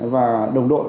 và đồng đội